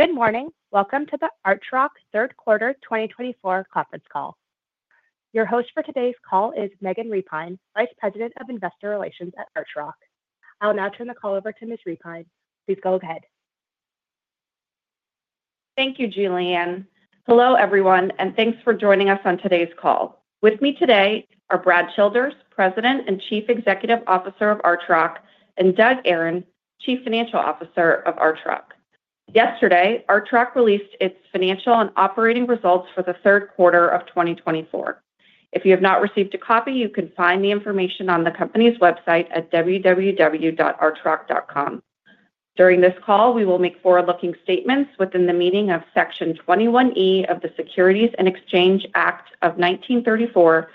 Good morning. Welcome to the Archrock Third Quarter 2024 Conference Call. Your host for today's call is Megan Repine, Vice President of Investor Relations at Archrock. I'll now turn the call over to Ms. Repine. Please go ahead. Thank you, Julianne. Hello, everyone, and thanks for joining us on today's call. With me today are Brad Childers, President and Chief Executive Officer of Archrock, and Doug Aron, Chief Financial Officer of Archrock. Yesterday, Archrock released its financial and operating results for the third quarter of 2024. If you have not received a copy, you can find the information on the company's website at www.archrock.com. During this call, we will make forward-looking statements within the meaning of Section 21E of the Securities Exchange Act of 1934,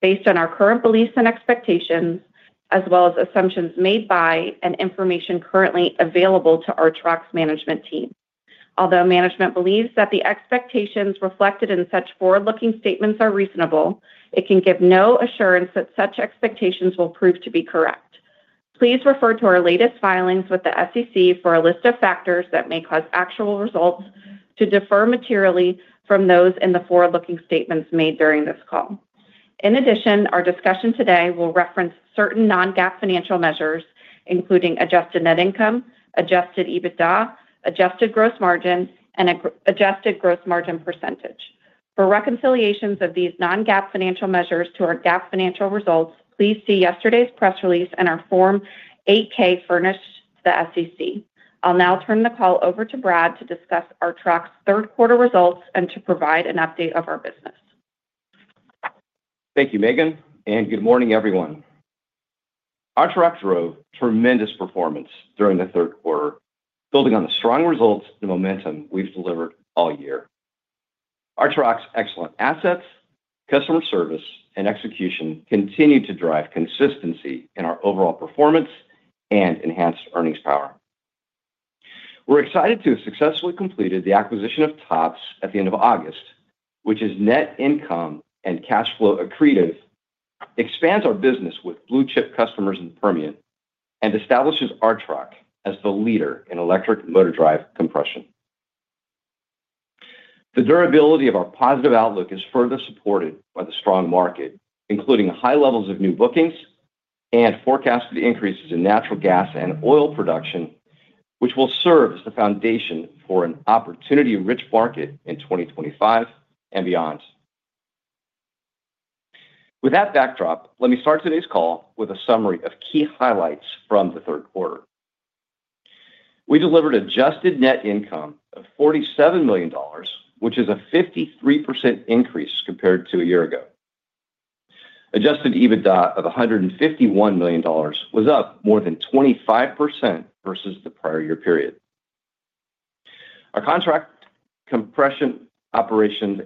based on our current beliefs and expectations, as well as assumptions made by and information currently available to Archrock's management team. Although management believes that the expectations reflected in such forward-looking statements are reasonable, it can give no assurance that such expectations will prove to be correct. Please refer to our latest filings with the SEC for a list of factors that may cause actual results to differ materially from those in the forward-looking statements made during this call. In addition, our discussion today will reference certain non-GAAP financial measures, including Adjusted Net Income, Adjusted EBITDA, Adjusted Gross M`argin, and Adjusted Gross Margin percentage. For reconciliations of these non-GAAP financial measures to our GAAP financial results, please see yesterday's press release and our Form 8-K furnished to the SEC. I'll now turn the call over to Brad to discuss Archrock's third quarter results and to provide an update of our business. Thank you, Megan, and good morning, everyone. Archrock drove tremendous performance during the third quarter, building on the strong results and momentum we've delivered all year. Archrock's excellent assets, customer service, and execution continue to drive consistency in our overall performance and enhanced earnings power. We're excited to have successfully completed the acquisition of TOPS at the end of August, which is net income and cash flow accretive, expands our business with blue-chip customers in Permian, and establishes Archrock as the leader in electric motor drive compression. The durability of our positive outlook is further supported by the strong market, including high levels of new bookings and forecasted increases in natural gas and oil production, which will serve as the foundation for an opportunity-rich market in 2025 and beyond. With that backdrop, let me start today's call with a summary of key highlights from the third quarter. We delivered adjusted net income of $47 million, which is a 53% increase compared to a year ago. Adjusted EBITDA of $151 million was up more than 25% versus the prior year period. Our contract compression operations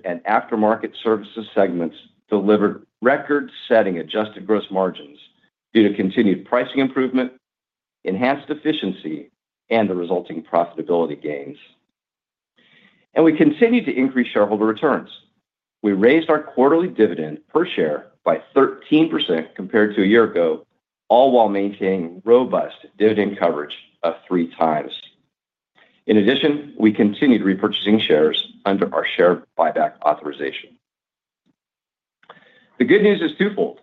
and aftermarket services segments delivered record-setting adjusted gross margins due to continued pricing improvement, enhanced efficiency, and the resulting profitability gains. And we continue to increase shareholder returns. We raised our quarterly dividend per share by 13% compared to a year ago, all while maintaining robust dividend coverage of three times. In addition, we continued repurchasing shares under our share buyback authorization. The good news is twofold.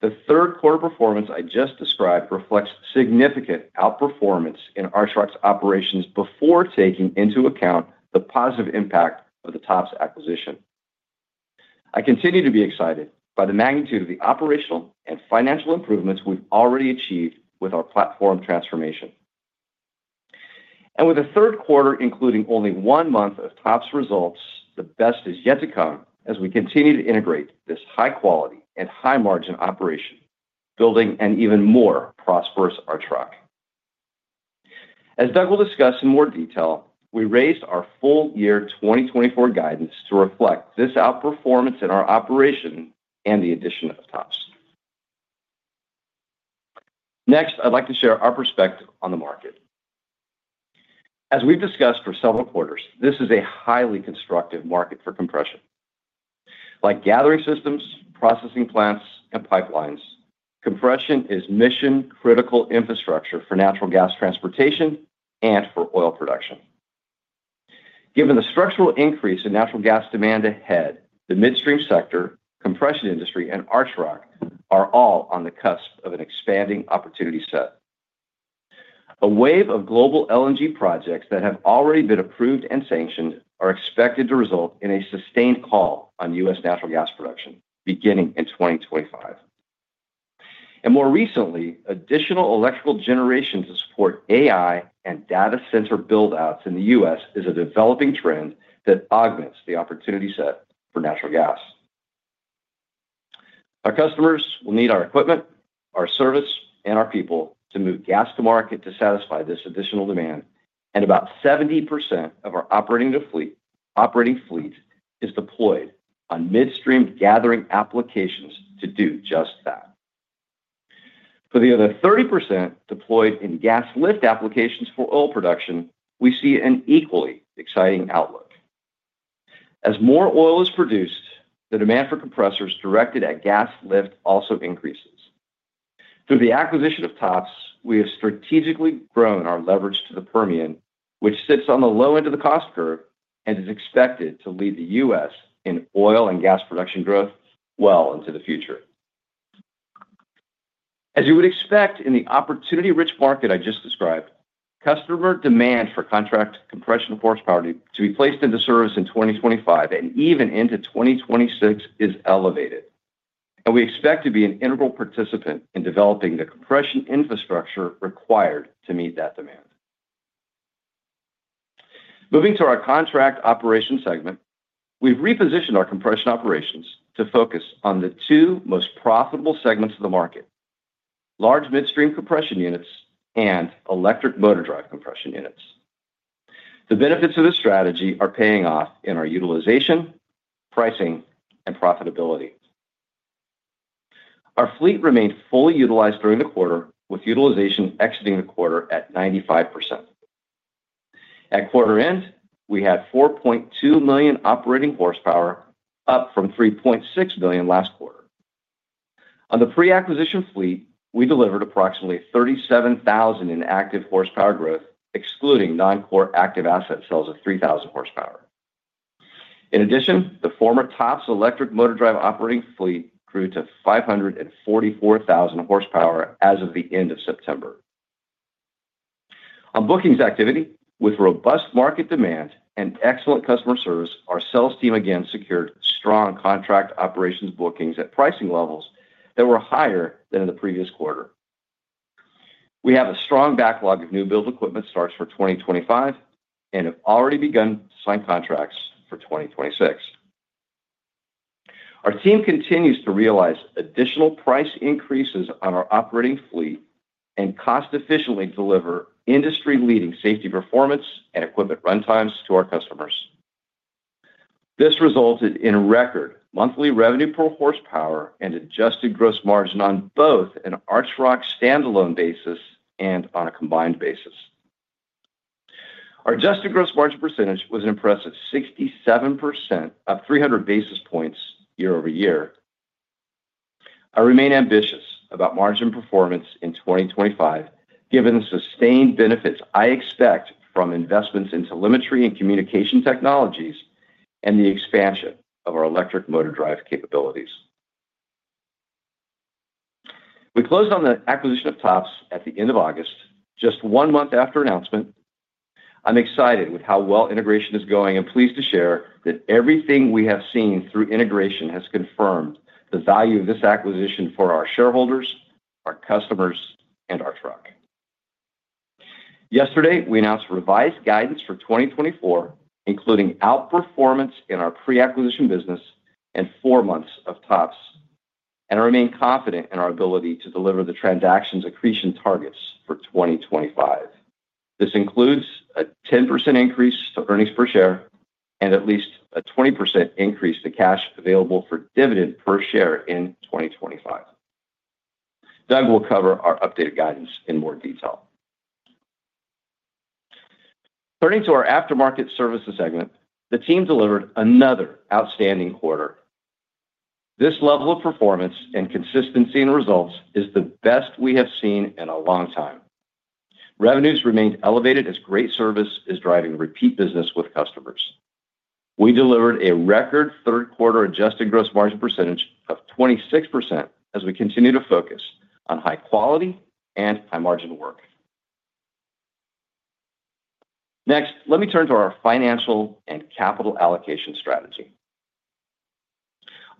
The third quarter performance I just described reflects significant outperformance in Archrock's operations before taking into account the positive impact of the TOPS acquisition. I continue to be excited by the magnitude of the operational and financial improvements we've already achieved with our platform transformation. And with the third quarter including only one month of TOPS results, the best is yet to come as we continue to integrate this high-quality and high-margin operation, building an even more prosperous Archrock. As Doug will discuss in more detail, we raised our full-year 2024 guidance to reflect this outperformance in our operation and the addition of TOPS. Next, I'd like to share our perspective on the market. As we've discussed for several quarters, this is a highly constructive market for compression. Like gathering systems, processing plants, and pipelines, compression is mission-critical infrastructure for natural gas transportation and for oil production. Given the structural increase in natural gas demand ahead, the midstream sector, compression industry, and Archrock are all on the cusp of an expanding opportunity set. A wave of global LNG projects that have already been approved and sanctioned are expected to result in a sustained call on U.S. natural gas production beginning in 2025, and more recently, additional electrical generation to support AI and data center buildouts in the U.S. is a developing trend that augments the opportunity set for natural gas. Our customers will need our equipment, our service, and our people to move gas to market to satisfy this additional demand, and about 70% of our operating fleet is deployed on midstream gathering applications to do just that. For the other 30% deployed in gas lift applications for oil production, we see an equally exciting outlook. As more oil is produced, the demand for compressors directed at gas lift also increases. Through the acquisition of TOPS, we have strategically grown our leverage to the Permian, which sits on the low end of the cost curve and is expected to lead the U.S. in oil and gas production growth well into the future. As you would expect in the opportunity-rich market I just described, customer demand for contract compression horsepower to be placed into service in 2025 and even into 2026 is elevated, and we expect to be an integral participant in developing the compression infrastructure required to meet that demand. Moving to our Contract Operations segment, we've repositioned our compression operations to focus on the two most profitable segments of the market: large midstream compression units and electric motor drive compression units. The benefits of this strategy are paying off in our utilization, pricing, and profitability. Our fleet remained fully utilized during the quarter, with utilization exiting the quarter at 95%. At quarter end, we had 4.2 million operating horsepower, up from 3.6 million last quarter. On the pre-acquisition fleet, we delivered approximately 37,000 in active horsepower growth, excluding non-core active asset sales of 3,000 horsepower. In addition, the former TOPS electric motor drive operating fleet grew to 544,000 horsepower as of the end of September. On bookings activity, with robust market demand and excellent customer service, our sales team again secured strong contract operations bookings at pricing levels that were higher than in the previous quarter. We have a strong backlog of new build equipment starts for 2025 and have already begun to sign contracts for 2026. Our team continues to realize additional price increases on our operating fleet and cost-efficiently deliver industry-leading safety performance and equipment runtimes to our customers. This resulted in record monthly revenue per horsepower and adjusted gross margin on both an Archrock standalone basis and on a combined basis. Our adjusted gross margin percentage was an impressive 67%, up 300 basis points year-over-year. I remain ambitious about margin performance in 2025, given the sustained benefits I expect from investments in telemetry and communication technologies and the expansion of our electric motor drive capabilities. We closed on the acquisition of TOPS at the end of August, just one month after announcement. I'm excited with how well integration is going and pleased to share that everything we have seen through integration has confirmed the value of this acquisition for our shareholders, our customers, and Archrock. Yesterday, we announced revised guidance for 2024, including outperformance in our pre-acquisition business and four months of TOPS, and I remain confident in our ability to deliver the transactions accretion targets for 2025. This includes a 10% increase to earnings per share and at least a 20% increase to Cash Available for Dividend per share in 2025. Doug will cover our updated guidance in more detail. Turning to our Aftermarket Services segment, the team delivered another outstanding quarter. This level of performance and consistency in results is the best we have seen in a long time. Revenues remained elevated as great service is driving repeat business with customers. We delivered a record third quarter adjusted gross margin percentage of 26% as we continue to focus on high quality and high margin work. Next, let me turn to our financial and capital allocation strategy.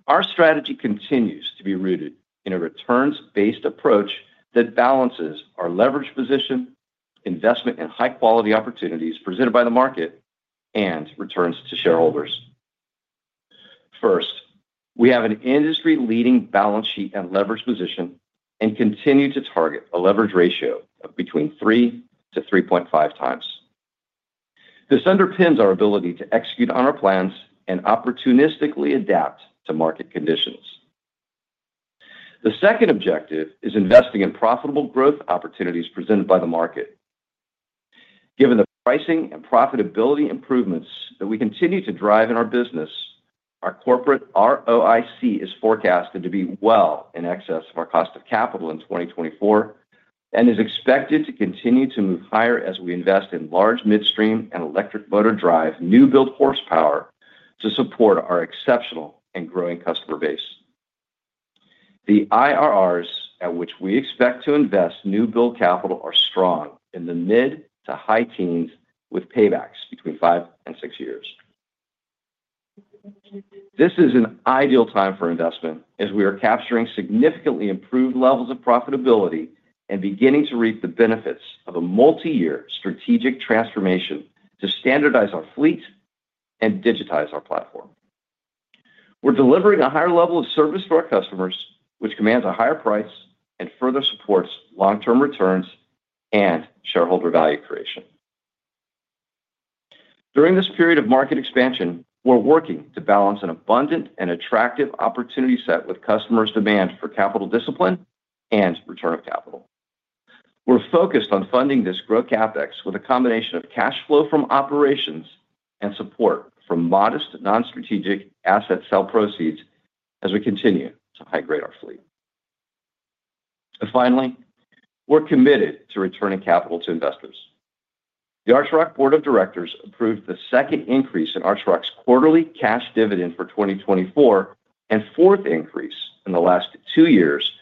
Our strategy continues to be rooted in a returns-based approach that balances our leverage position, investment in high-quality opportunities presented by the market, and returns to shareholders. First, we have an industry-leading balance sheet and leverage position and continue to target a leverage ratio of between 3-3.5 times. This underpins our ability to execute on our plans and opportunistically adapt to market conditions. The second objective is investing in profitable growth opportunities presented by the market. Given the pricing and profitability improvements that we continue to drive in our business, our corporate ROIC is forecasted to be well in excess of our cost of capital in 2024 and is expected to continue to move higher as we invest in large midstream and electric motor drive new build horsepower to support our exceptional and growing customer base. The IRRs at which we expect to invest new build capital are strong in the mid to high teens with paybacks between five and six years. This is an ideal time for investment as we are capturing significantly improved levels of profitability and beginning to reap the benefits of a multi-year strategic transformation to standardize our fleet and digitize our platform. We're delivering a higher level of service for our customers, which commands a higher price and further supports long-term returns and shareholder value creation. During this period of market expansion, we're working to balance an abundant and attractive opportunity set with customers' demand for capital discipline and return of capital. We're focused on funding this growth capex with a combination of cash flow from operations and support from modest non-strategic asset sell proceeds as we continue to high-grade our fleet. Finally, we're committed to returning capital to investors. The Archrock Board of Directors approved the second increase in Archrock's quarterly cash dividend for 2024 and fourth increase in the last two years,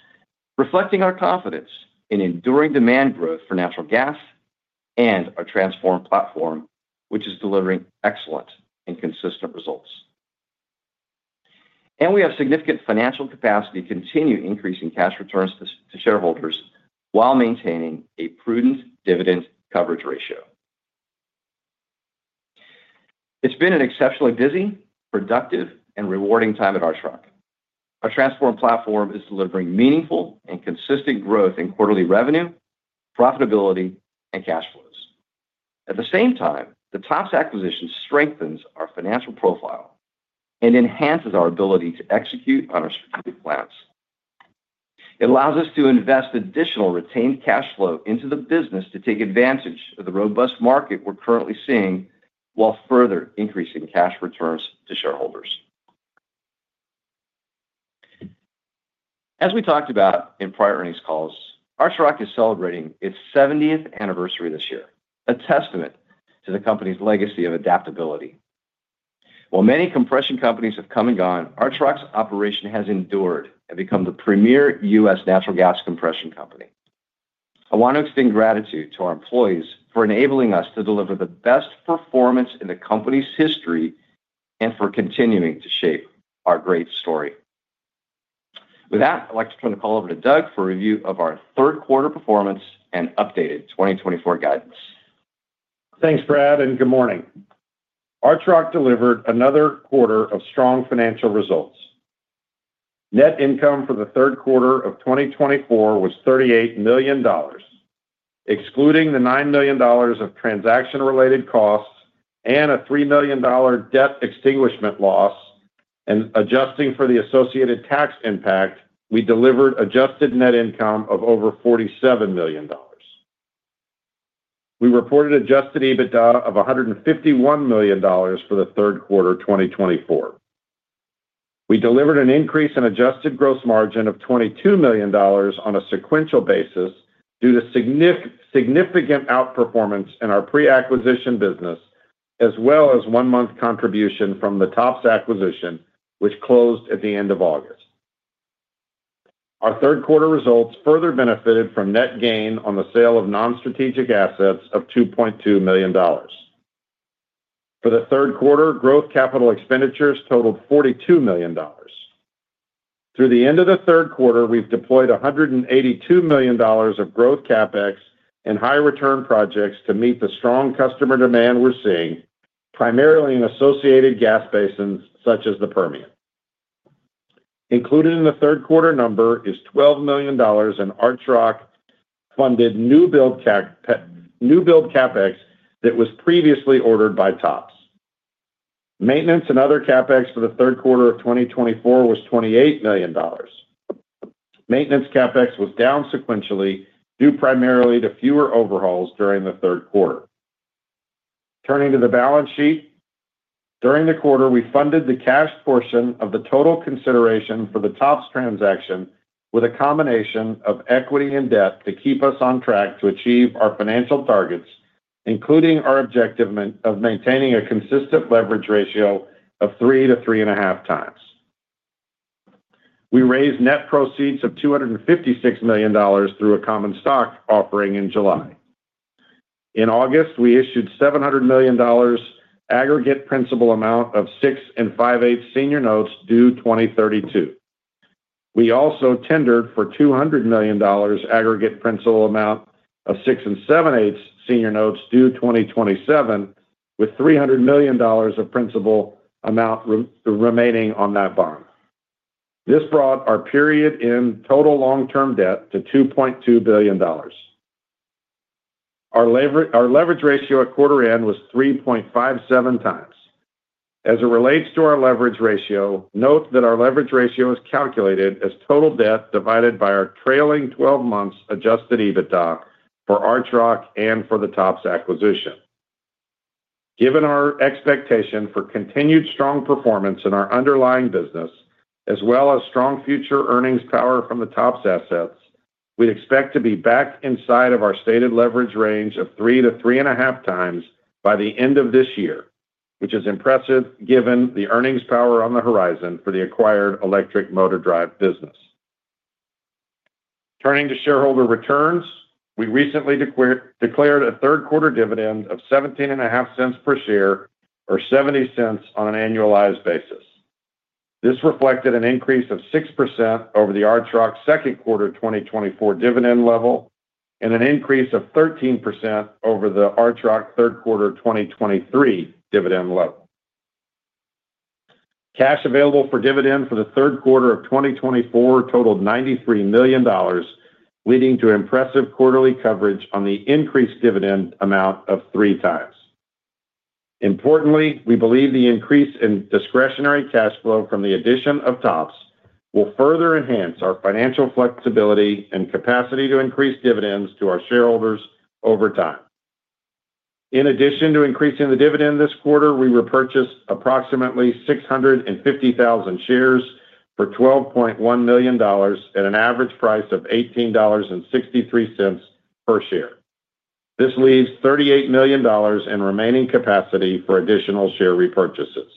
reflecting our confidence in enduring demand growth for natural gas and our transformed platform, which is delivering excellent and consistent results, and we have significant financial capacity to continue increasing cash returns to shareholders while maintaining a prudent dividend coverage ratio. It's been an exceptionally busy, productive, and rewarding time at Archrock. Our transformed platform is delivering meaningful and consistent growth in quarterly revenue, profitability, and cash flows. At the same time, the TOPS acquisition strengthens our financial profile and enhances our ability to execute on our strategic plans. It allows us to invest additional retained cash flow into the business to take advantage of the robust market we're currently seeing while further increasing cash returns to shareholders. As we talked about in prior earnings calls, Archrock is celebrating its 70th anniversary this year, a testament to the company's legacy of adaptability. While many compression companies have come and gone, Archrock's operation has endured and become the premier U.S. natural gas compression company. I want to extend gratitude to our employees for enabling us to deliver the best performance in the company's history and for continuing to shape our great story. With that, I'd like to turn the call over to Doug for review of our third quarter performance and updated 2024 guidance. Thanks, Brad, and good morning. Archrock delivered another quarter of strong financial results. Net income for the third quarter of 2024 was $38 million. Excluding the $9 million of transaction-related costs and a $3 million debt extinguishment loss and adjusting for the associated tax impact, we delivered adjusted net income of over $47 million. We reported Adjusted EBITDA of $151 million for the third quarter 2024. We delivered an increase in adjusted gross margin of $22 million on a sequential basis due to significant outperformance in our pre-acquisition business, as well as one-month contribution from the TOPS acquisition, which closed at the end of August. Our third quarter results further benefited from net gain on the sale of non-strategic assets of $2.2 million. For the third quarter, growth capital expenditures totaled $42 million. Through the end of the third quarter, we've deployed $182 million of growth CapEx and high-return projects to meet the strong customer demand we're seeing, primarily in associated gas basins such as the Permian. Included in the third quarter number is $12 million in Archrock-funded new build CapEx that was previously ordered by TOPS. Maintenance and other CapEx for the third quarter of 2024 was $28 million. Maintenance CapEx was down sequentially due primarily to fewer overhauls during the third quarter. Turning to the balance sheet, during the quarter, we funded the cash portion of the total consideration for the TOPS transaction with a combination of equity and debt to keep us on track to achieve our financial targets, including our objective of maintaining a consistent leverage ratio of three to three and a half times. We raised net proceeds of $256 million through a common stock offering in July. In August, we issued $700 million aggregate principal amount of 6 and 5/8 senior notes due 2032. We also tendered for $200 million aggregate principal amount of 6 and 7/8 senior notes due 2027, with $300 million of principal amount remaining on that bond. This brought our period-end total long-term debt to $2.2 billion. Our leverage ratio at quarter end was 3.57 times. As it relates to our leverage ratio, note that our leverage ratio is calculated as total debt divided by our trailing 12 months Adjusted EBITDA for Archrock and for the TOPS acquisition. Given our expectation for continued strong performance in our underlying business, as well as strong future earnings power from the TOPS assets, we expect to be back inside of our stated leverage range of three to three and a half times by the end of this year, which is impressive given the earnings power on the horizon for the acquired electric motor drive business. Turning to shareholder returns, we recently declared a third quarter dividend of $0.175 per share or $0.70 on an annualized basis. This reflected an increase of 6% over the Archrock second quarter 2024 dividend level and an increase of 13% over the Archrock third quarter 2023 dividend level. Cash available for dividend for the third quarter of 2024 totaled $93 million, leading to impressive quarterly coverage on the increased dividend amount of three times. Importantly, we believe the increase in discretionary cash flow from the addition of TOPS will further enhance our financial flexibility and capacity to increase dividends to our shareholders over time. In addition to increasing the dividend this quarter, we repurchased approximately 650,000 shares for $12.1 million at an average price of $18.63 per share. This leaves $38 million in remaining capacity for additional share repurchases.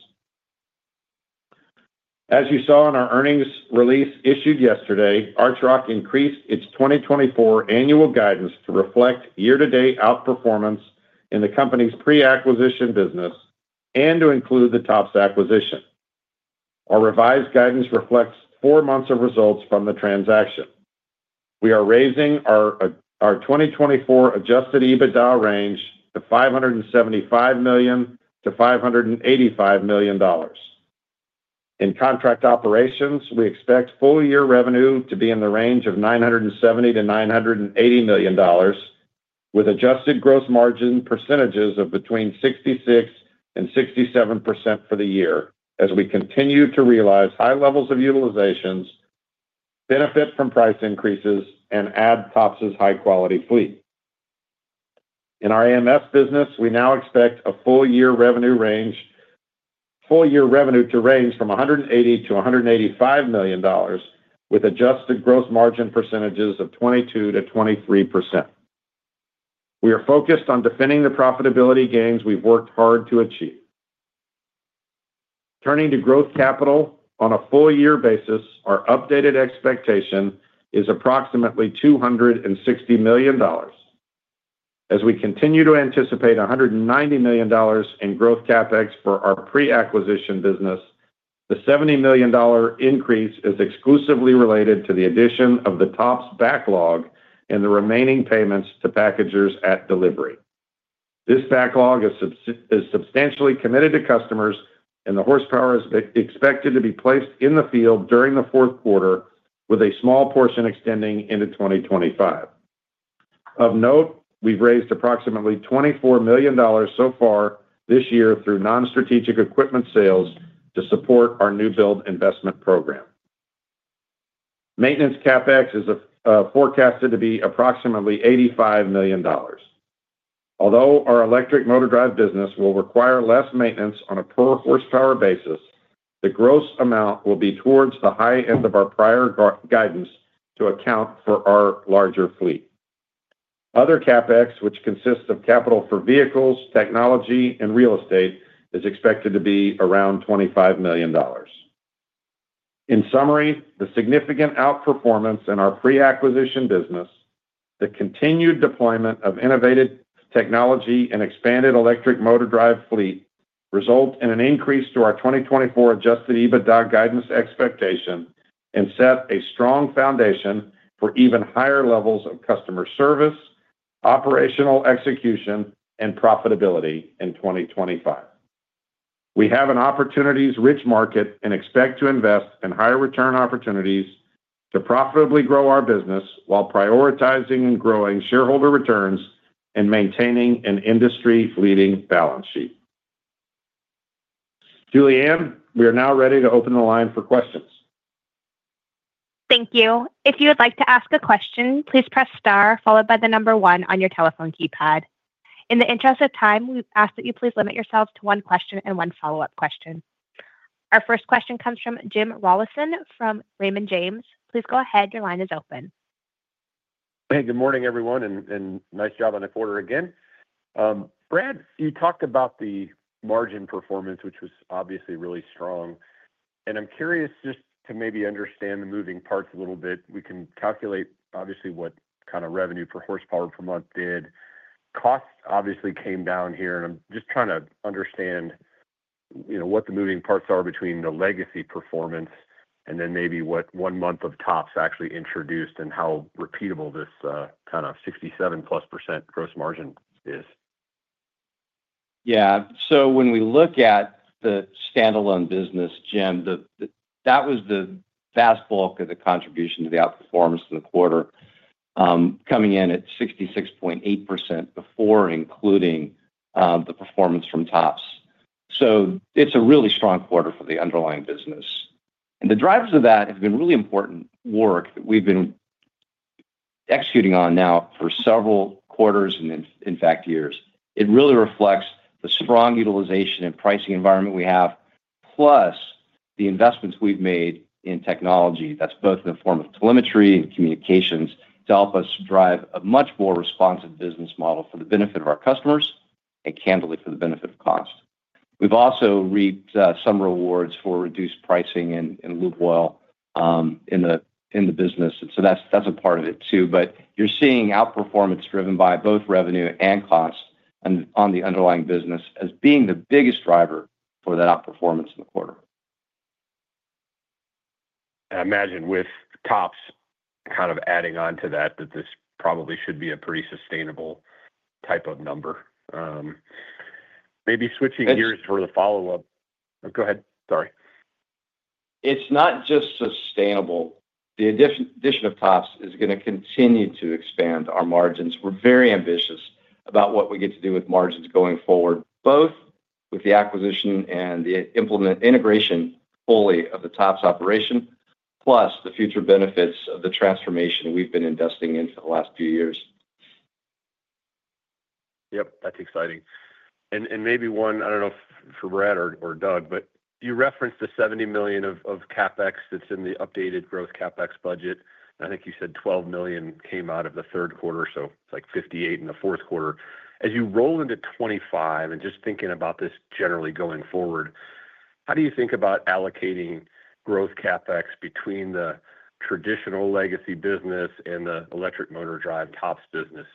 As you saw in our earnings release issued yesterday, Archrock increased its 2024 annual guidance to reflect year-to-date outperformance in the company's pre-acquisition business and to include the TOPS acquisition. Our revised guidance reflects four months of results from the transaction. We are raising our 2024 Adjusted EBITDA range to $575 million-$585 million. In contract operations, we expect full year revenue to be in the range of $970 million-$980 million, with adjusted gross margin percentages of between 66% and 67% for the year as we continue to realize high levels of utilizations, benefit from price increases, and add TOPS's high-quality fleet. In our AMS business, we now expect a full year revenue to range from $180 million-$185 million, with adjusted gross margin percentages of 22%-23%. We are focused on defending the profitability gains we've worked hard to achieve. Turning to growth capital on a full year basis, our updated expectation is approximately $260 million. As we continue to anticipate $190 million in growth capex for our pre-acquisition business, the $70 million increase is exclusively related to the addition of the TOPS backlog and the remaining payments to packagers at delivery. This backlog is substantially committed to customers, and the horsepower is expected to be placed in the field during the fourth quarter, with a small portion extending into 2025. Of note, we've raised approximately $24 million so far this year through non-strategic equipment sales to support our new build investment program. Maintenance CapEx is forecasted to be approximately $85 million. Although our electric motor drive business will require less maintenance on a per-horsepower basis, the gross amount will be towards the high end of our prior guidance to account for our larger fleet. Other CapEx, which consists of capital for vehicles, technology, and real estate, is expected to be around $25 million. In summary, the significant outperformance in our pre-acquisition business, the continued deployment of innovative technology, and expanded electric motor drive fleet result in an increase to our 2024 Adjusted EBITDA guidance expectation and set a strong foundation for even higher levels of customer service, operational execution, and profitability in 2025. We have an opportunities-rich market and expect to invest in higher return opportunities to profitably grow our business while prioritizing and growing shareholder returns and maintaining an industry-leading balance sheet. Julianne, we are now ready to open the line for questions. Thank you. If you would like to ask a question, please press star followed by the number one on your telephone keypad. In the interest of time, we ask that you please limit yourselves to one question and one follow-up question. Our first question comes from Jim Rollyson from Raymond James. Please go ahead. Your line is open. Hey, good morning, everyone, and nice job on the quarter again. Brad, you talked about the margin performance, which was obviously really strong. And I'm curious just to maybe understand the moving parts a little bit. We can calculate, obviously, what kind of revenue per horsepower per month did. Cost obviously came down here, and I'm just trying to understand what the moving parts are between the legacy performance and then maybe what one month of TOPS actually introduced and how repeatable this kind of 67%+ gross margin is. Yeah. So when we look at the standalone business, Jim, that was the vast bulk of the contribution to the outperformance of the quarter, coming in at 66.8% before including the performance from TOPS. So it's a really strong quarter for the underlying business. And the drivers of that have been really important work that we've been executing on now for several quarters and, in fact, years. It really reflects the strong utilization and pricing environment we have, plus the investments we've made in technology that's both in the form of telemetry and communications to help us drive a much more responsive business model for the benefit of our customers and candidly for the benefit of cost. We've also reaped some rewards for reduced pricing and lube oil in the business. And so that's a part of it too. But you're seeing outperformance driven by both revenue and cost on the underlying business as being the biggest driver for that outperformance in the quarter. I imagine with TOPS kind of adding on to that, that this probably should be a pretty sustainable type of number. Maybe switching gears for the follow-up. Go ahead. Sorry. It's not just sustainable. The addition of TOPS is going to continue to expand our margins. We're very ambitious about what we get to do with margins going forward, both with the acquisition and the integration fully of the TOPS operation, plus the future benefits of the transformation we've been investing in for the last few years. Yep. That's exciting. And maybe one, I don't know if for Brad or Doug, but you referenced the $70 million of CapEx that's in the updated growth CapEx budget. I think you said $12 million came out of the third quarter, so it's like $58 million in the fourth quarter. As you roll into 2025 and just thinking about this generally going forward, how do you think about allocating growth CapEx between the traditional legacy business and the electric motor drive TOPS business?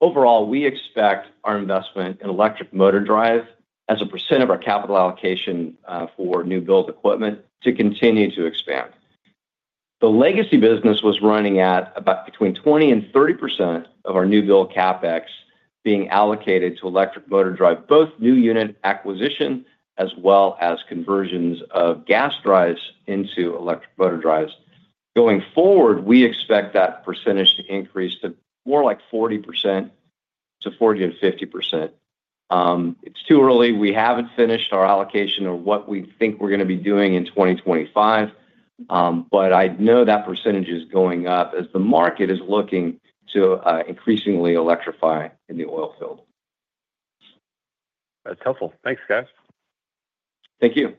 Overall, we expect our investment in electric motor drive as a percent of our capital allocation for new build equipment to continue to expand. The legacy business was running at about between 20% and 30% of our new build capex being allocated to electric motor drive, both new unit acquisition as well as conversions of gas drives into electric motor drives. Going forward, we expect that percentage to increase to more like 40%, to 40%-50%. It's too early. We haven't finished our allocation of what we think we're going to be doing in 2025, but I know that percentage is going up as the market is looking to increasingly electrify in the oil field. That's helpful. Thanks, guys. Thank you.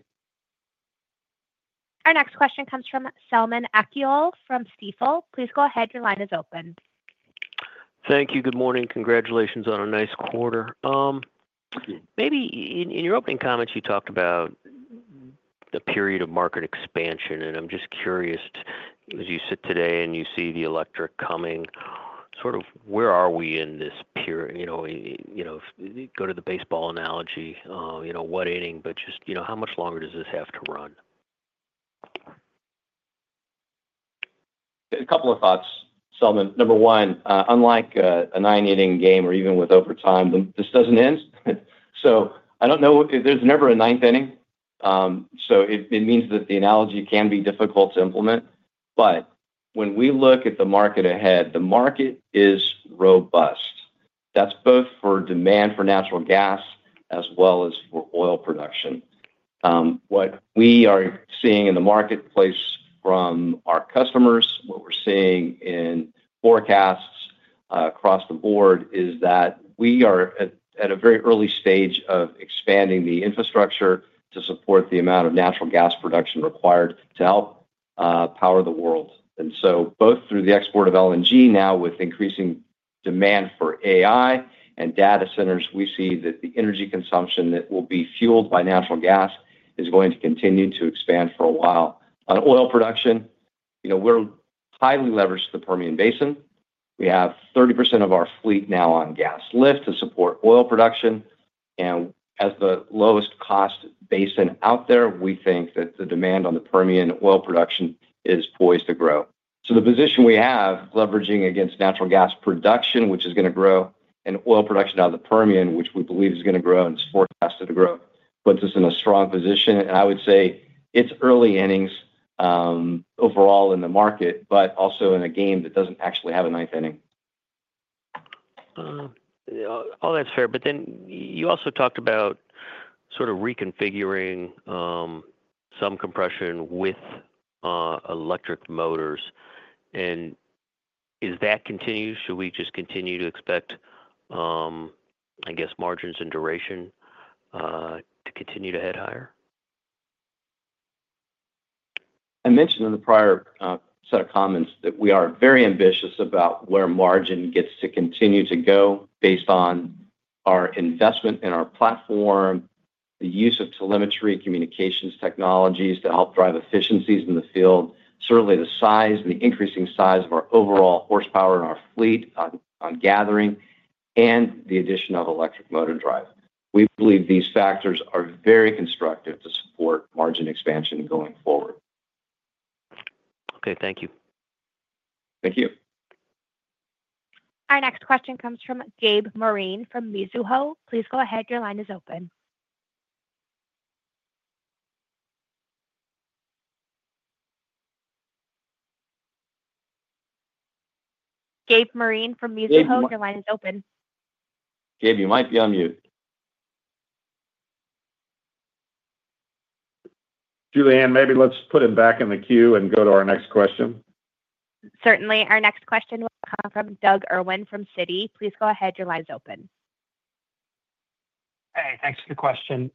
Our next question comes from Selman Akyol from Stifel. Please go ahead. Your line is open. Thank you. Good morning. Congratulations on a nice quarter. Maybe in your opening comments, you talked about the period of market expansion, and I'm just curious, as you sit today and you see the electric coming, sort of where are we in this period? Go to the baseball analogy, what inning, but just how much longer does this have to run? A couple of thoughts, Selman. Number one, unlike a nine-inning game or even with overtime, this doesn't end. So I don't know. There's never a ninth inning. So it means that the analogy can be difficult to implement. But when we look at the market ahead, the market is robust. That's both for demand for natural gas as well as for oil production. What we are seeing in the marketplace from our customers, what we're seeing in forecasts across the board is that we are at a very early stage of expanding the infrastructure to support the amount of natural gas production required to help power the world. And so both through the export of LNG now with increasing demand for AI and data centers, we see that the energy consumption that will be fueled by natural gas is going to continue to expand for a while. On oil production, we're highly leveraged to the Permian Basin. We have 30% of our fleet now on gas lift to support oil production. And as the lowest cost basin out there, we think that the demand on the Permian oil production is poised to grow. So the position we have leveraging against natural gas production, which is going to grow, and oil production out of the Permian, which we believe is going to grow and is forecasted to grow, puts us in a strong position. And I would say it's early innings overall in the market, but also in a game that doesn't actually have a ninth inning. All that's fair. But then you also talked about sort of reconfiguring some compression with electric motors. And is that continued? Should we just continue to expect, I guess, margins and duration to continue to head higher? I mentioned in the prior set of comments that we are very ambitious about where margin gets to continue to go based on our investment in our platform, the use of telemetry communications technologies to help drive efficiencies in the field, certainly the size and the increasing size of our overall horsepower in our fleet on gathering, and the addition of electric motor drive. We believe these factors are very constructive to support margin expansion going forward. Okay. Thank you. Thank you. Our next question comes from Gabriel Moreen from Mizuho. Please go ahead. Your line is open. Gabriel Moreen from Mizuho. Your line is open. Gabe, you might be on mute. Julianne, maybe let's put him back in the queue and go to our next question. Certainly. Our next question will come from Doug Irwin from Citi. Please go ahead. Your line is open. Hey, thanks for the question.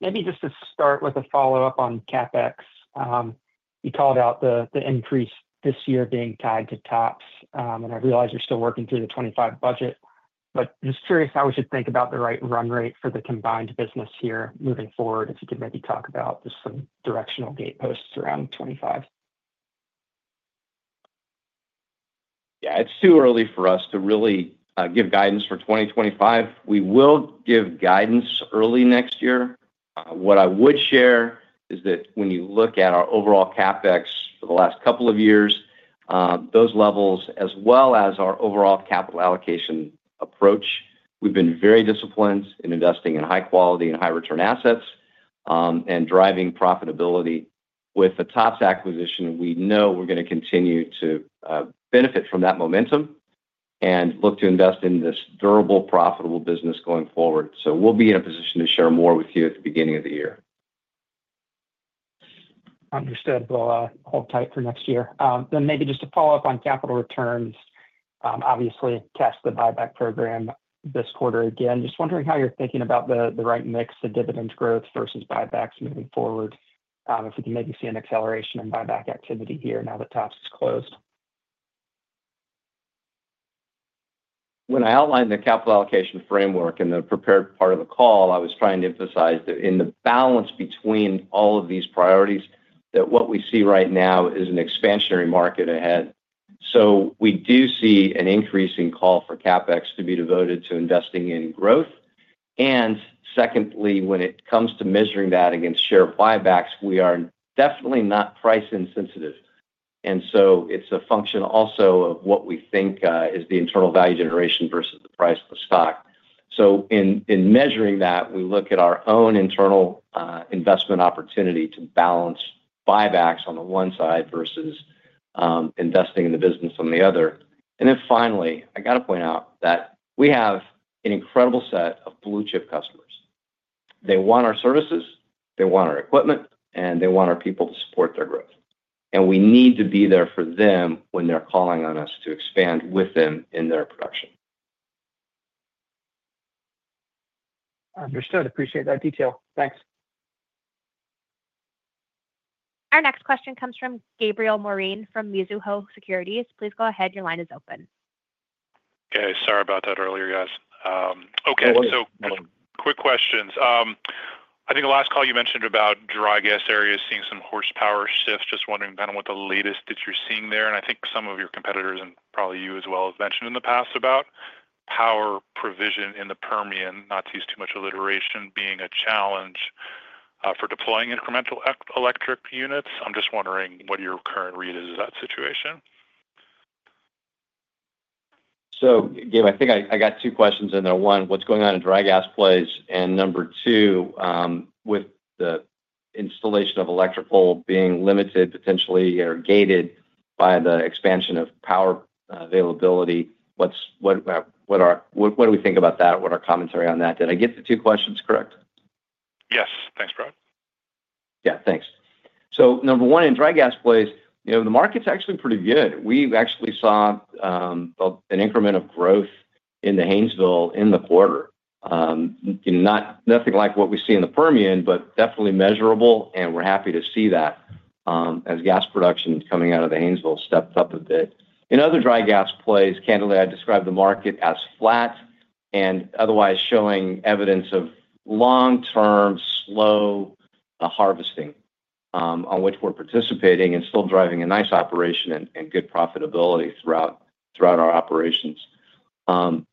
Maybe just to start with a follow-up on CapEx. You called out the increase this year being tied to TOPS, and I realize you're still working through the 2025 budget, but I'm just curious how we should think about the right run rate for the combined business here moving forward if you could maybe talk about just some directional guideposts around 2025. Yeah. It's too early for us to really give guidance for 2025. We will give guidance early next year. What I would share is that when you look at our overall CapEx for the last couple of years, those levels, as well as our overall capital allocation approach, we've been very disciplined in investing in high-quality and high-return assets and driving profitability. With the TOPS acquisition, we know we're going to continue to benefit from that momentum and look to invest in this durable, profitable business going forward. So we'll be in a position to share more with you at the beginning of the year. Understood. We'll hold tight for next year. Then maybe just to follow up on capital returns, obviously test the buyback program this quarter again. Just wondering how you're thinking about the right mix of dividend growth versus buybacks moving forward if we can maybe see an acceleration in buyback activity here now that TOPS is closed. When I outlined the capital allocation framework in the prepared part of the call, I was trying to emphasize that in the balance between all of these priorities, that what we see right now is an expansionary market ahead. So we do see an increasing call for CapEx to be devoted to investing in growth. And secondly, when it comes to measuring that against share buybacks, we are definitely not price insensitive. And so it's a function also of what we think is the internal value generation versus the price of the stock. So in measuring that, we look at our own internal investment opportunity to balance buybacks on the one side versus investing in the business on the other. And then finally, I got to point out that we have an incredible set of blue-chip customers. They want our services, they want our equipment, and they want our people to support their growth. And we need to be there for them when they're calling on us to expand with them in their production. Understood. Appreciate that detail. Thanks. Our next question comes from Gabriel Moreen from Mizuho Securities. Please go ahead. Your line is open. Okay. Sorry about that earlier, guys. Okay. So, quick questions. I think the last call you mentioned about dry gas areas seeing some horsepower shifts. Just wondering kind of what the latest that you're seeing there, and I think some of your competitors and probably you as well have mentioned in the past about power provision in the Permian, not to use too much alliteration, being a challenge for deploying incremental electric units. I'm just wondering what your current read is of that situation. So, Gabe, I think I got two questions in there. One, what's going on in dry gas plays? And number two, with the installation of electrical being limited, potentially gated by the expansion of power availability, what do we think about that? What are our commentary on that? Did I get the two questions correct? Yes. Thanks, Brad. Yeah. Thanks. So number one, in dry gas plays, the market's actually pretty good. We actually saw an increment of growth in the Haynesville in the quarter. Nothing like what we see in the Permian, but definitely measurable, and we're happy to see that as gas production coming out of the Haynesville stepped up a bit. In other dry gas plays, candidly, I'd describe the market as flat and otherwise showing evidence of long-term slow harvesting on which we're participating and still driving a nice operation and good profitability throughout our operations. 80%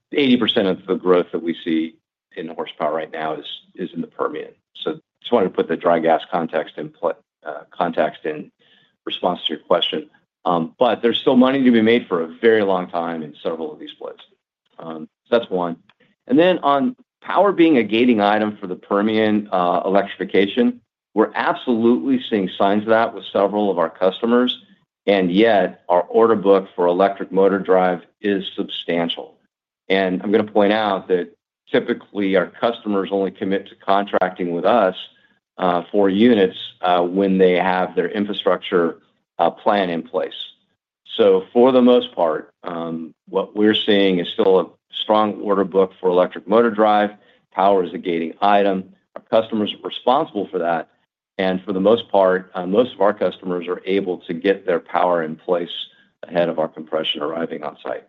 of the growth that we see in horsepower right now is in the Permian. So just wanted to put the dry gas context in response to your question. But there's still money to be made for a very long time in several of these plays. So that's one. And then on power being a gating item for the Permian electrification, we're absolutely seeing signs of that with several of our customers. And yet, our order book for electric motor drive is substantial. And I'm going to point out that typically, our customers only commit to contracting with us for units when they have their infrastructure plan in place. So for the most part, what we're seeing is still a strong order book for electric motor drive. Power is a gating item. Our customers are responsible for that. And for the most part, most of our customers are able to get their power in place ahead of our compression arriving on site.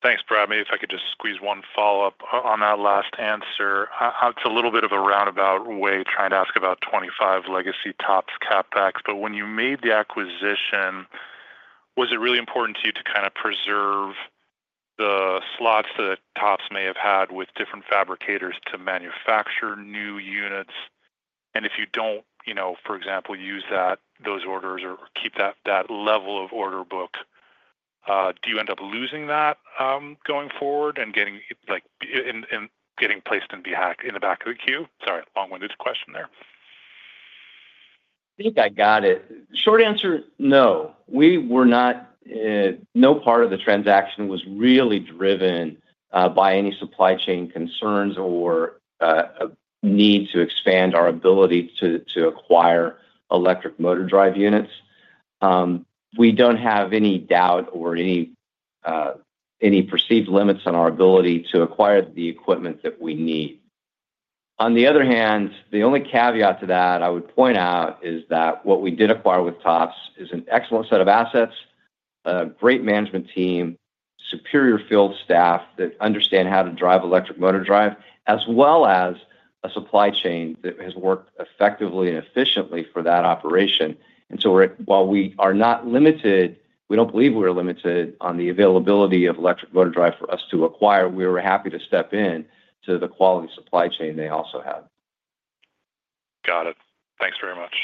Thanks, Brad. Maybe if I could just squeeze one follow-up on that last answer. It's a little bit of a roundabout way trying to ask about 2025 legacy TOPS CapEx. But when you made the acquisition, was it really important to you to kind of preserve the slots that TOPS may have had with different fabricators to manufacture new units? And if you don't, for example, use those orders or keep that level of order book, do you end up losing that going forward and getting placed in the back of the queue? Sorry, long-winded question there. I think I got it. Short answer, no. No part of the transaction was really driven by any supply chain concerns or need to expand our ability to acquire electric motor drive units. We don't have any doubt or any perceived limits on our ability to acquire the equipment that we need. On the other hand, the only caveat to that I would point out is that what we did acquire with TOPS is an excellent set of assets, a great management team, superior field staff that understand how to drive electric motor drive, as well as a supply chain that has worked effectively and efficiently for that operation, and so while we are not limited, we don't believe we are limited on the availability of electric motor drive for us to acquire. We were happy to step into the quality supply chain they also have. Got it. Thanks very much.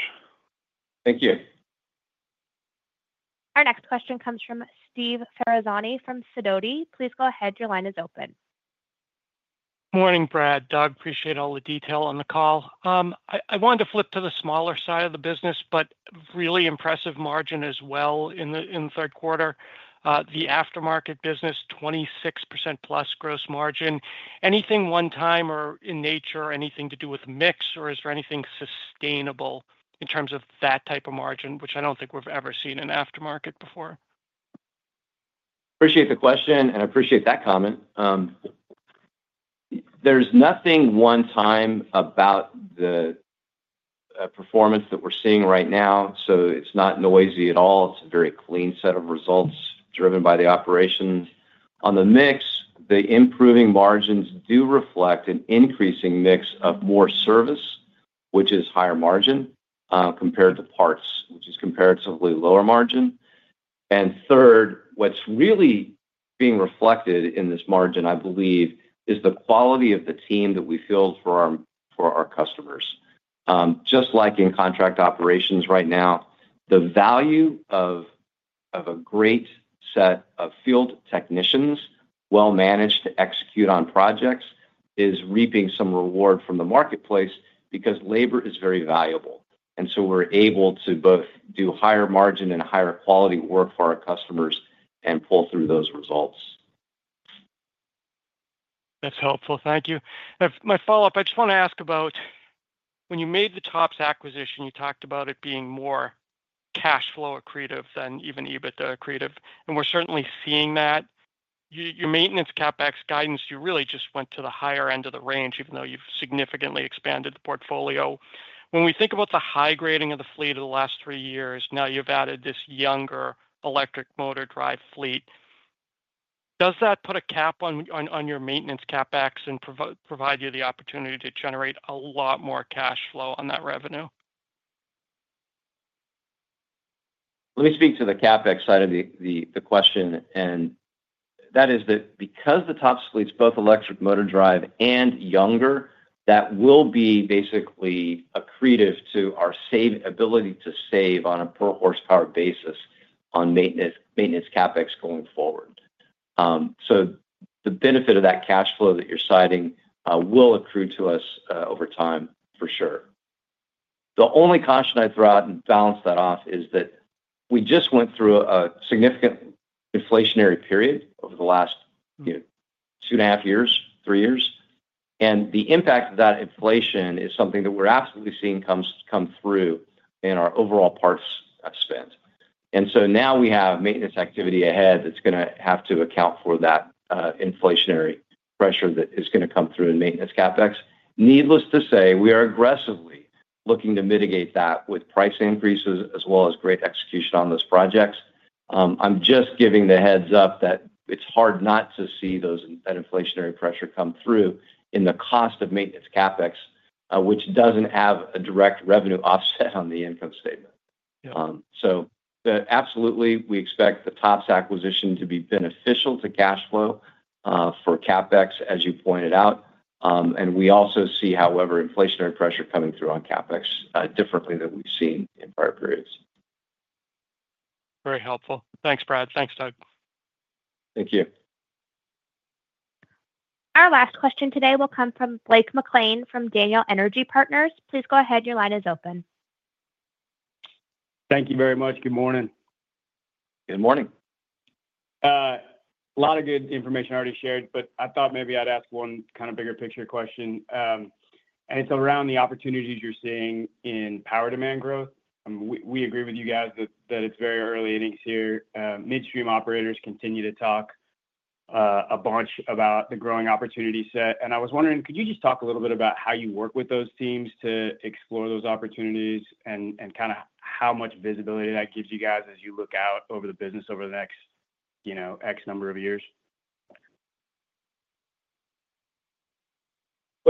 Thank you. Our next question comes from Steve Ferazani from Sidoti. Please go ahead. Your line is open. Morning, Brad. Doug, appreciate all the detail on the call. I wanted to flip to the smaller side of the business, but really impressive margin as well in the third quarter. The aftermarket business, 26% plus gross margin. Anything one-time in nature, anything to do with mix, or is there anything sustainable in terms of that type of margin, which I don't think we've ever seen in aftermarket before? Appreciate the question, and I appreciate that comment. There's nothing one-time about the performance that we're seeing right now. So it's not noisy at all. It's a very clean set of results driven by the operation. On the mix, the improving margins do reflect an increasing mix of more service, which is higher margin compared to parts, which is comparatively lower margin. And third, what's really being reflected in this margin, I believe, is the quality of the team that we field for our customers. Just like in contract operations right now, the value of a great set of field technicians, well-managed to execute on projects, is reaping some reward from the marketplace because labor is very valuable. And so we're able to both do higher margin and higher quality work for our customers and pull through those results. That's helpful. Thank you. My follow-up, I just want to ask about when you made the TOPS acquisition, you talked about it being more cash flow accretive than even EBITDA accretive. And we're certainly seeing that. Your maintenance capex guidance, you really just went to the higher end of the range, even though you've significantly expanded the portfolio. When we think about the high grading of the fleet of the last three years, now you've added this younger electric motor drive fleet. Does that put a cap on your maintenance CapEx and provide you the opportunity to generate a lot more cash flow on that revenue? Let me speak to the CapEx side of the question, and that is that because the TOPS fleet's both electric motor drive and younger, that will be basically accretive to our ability to save on a per-horsepower basis on maintenance CapEx going forward, so the benefit of that cash flow that you're citing will accrue to us over time for sure. The only caution I'd throw out and balance that off is that we just went through a significant inflationary period over the last two and a half years, three years, and the impact of that inflation is something that we're absolutely seeing come through in our overall parts spend. And so now we have maintenance activity ahead that's going to have to account for that inflationary pressure that is going to come through in maintenance CapEx. Needless to say, we are aggressively looking to mitigate that with price increases as well as great execution on those projects. I'm just giving the heads up that it's hard not to see that inflationary pressure come through in the cost of maintenance CapEx, which doesn't have a direct revenue offset on the income statement. So absolutely, we expect the TOPS acquisition to be beneficial to cash flow for CapEx, as you pointed out. And we also see, however, inflationary pressure coming through on CapEx differently than we've seen in prior periods. Very helpful. Thanks, Brad. Thanks, Doug. Thank you. Our last question today will come from Blake McLean from Daniel Energy Partners. Please go ahead. Your line is open. Thank you very much. Good morning. Good morning. A lot of good information already shared, but I thought maybe I'd ask one kind of bigger picture question. And it's around the opportunities you're seeing in power demand growth. We agree with you guys that it's very early innings here. Midstream operators continue to talk a bunch about the growing opportunity set. And I was wondering, could you just talk a little bit about how you work with those teams to explore those opportunities and kind of how much visibility that gives you guys as you look out over the business over the next X number of years?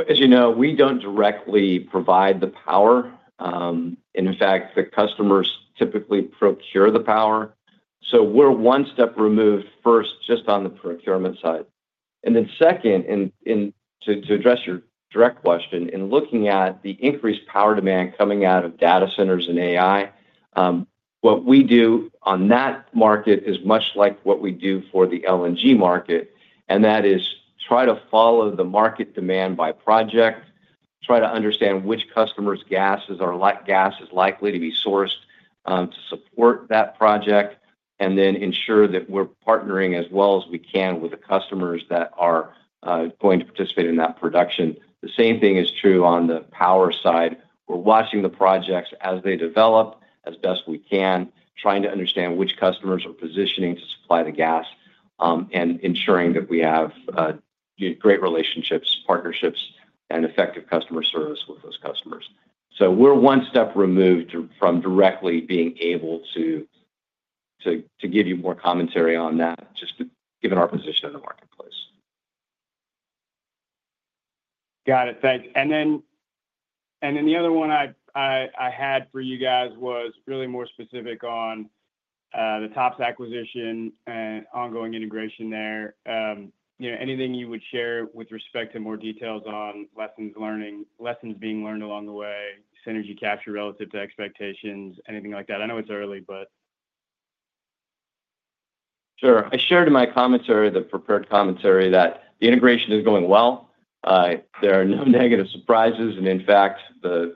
As you know, we don't directly provide the power. And in fact, the customers typically procure the power. So we're one step removed first just on the procurement side. And then, second, to address your direct question, in looking at the increased power demand coming out of data centers and AI, what we do on that market is much like what we do for the LNG market. And that is try to follow the market demand by project, try to understand which customer's gas is likely to be sourced to support that project, and then ensure that we're partnering as well as we can with the customers that are going to participate in that production. The same thing is true on the power side. We're watching the projects as they develop as best we can, trying to understand which customers are positioning to supply the gas and ensuring that we have great relationships, partnerships, and effective customer service with those customers. So we're one step removed from directly being able to give you more commentary on that, just given our position in the marketplace. Got it. Thanks. And then the other one I had for you guys was really more specific on the TOPS acquisition and ongoing integration there. Anything you would share with respect to more details on lessons being learned along the way, synergy capture relative to expectations, anything like that? I know it's early, but. Sure. I shared in my commentary, the prepared commentary, that the integration is going well. There are no negative surprises. And in fact, the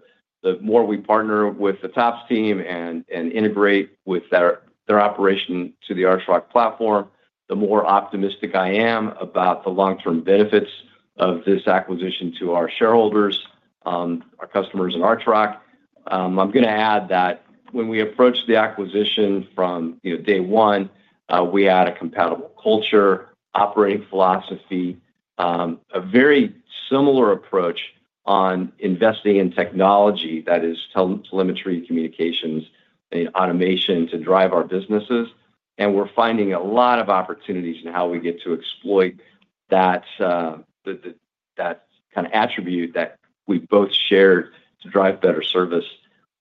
more we partner with the TOPS team and integrate with their operation to the Archrock platform, the more optimistic I am about the long-term benefits of this acquisition to our shareholders, our customers, and Archrock. I'm going to add that when we approached the acquisition from day one, we had a compatible culture, operating philosophy, a very similar approach on investing in technology that is telemetry, communications, and automation to drive our businesses. And we're finding a lot of opportunities in how we get to exploit that kind of attribute that we've both shared to drive better service.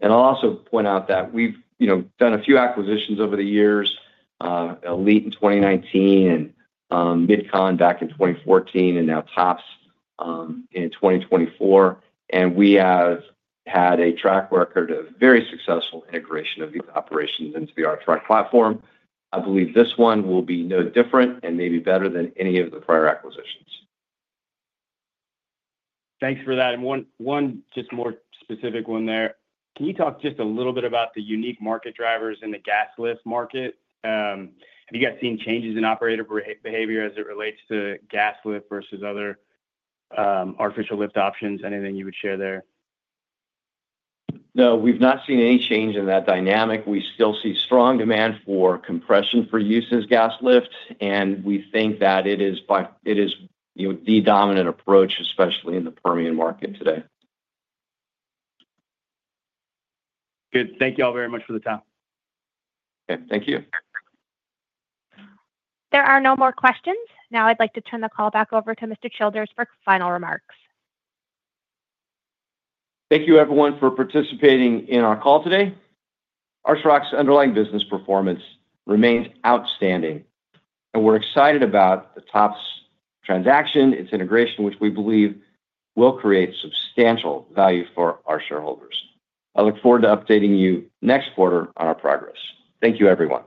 And I'll also point out that we've done a few acquisitions over the years, Elite in 2019 and MidCon back in 2014 and now TOPS in 2024. And we have had a track record of very successful integration of these operations into the Archrock platform. I believe this one will be no different and maybe better than any of the prior acquisitions. Thanks for that. And one just more specific one there. Can you talk just a little bit about the unique market drivers in the gas lift market? Have you guys seen changes in operator behavior as it relates to gas lift versus other artificial lift options? Anything you would share there? No, we've not seen any change in that dynamic. We still see strong demand for compression for use as gas lift. And we think that it is the dominant approach, especially in the Permian market today. Good. Thank you all very much for the time. Okay. Thank you. There are no more questions. Now I'd like to turn the call back over to Mr. Childers for final remarks. Thank you, everyone, for participating in our call today. Archrock's underlying business performance remains outstanding. And we're excited about the TOPS transaction, its integration, which we believe will create substantial value for our shareholders. I look forward to updating you next quarter on our progress. Thank you, everyone.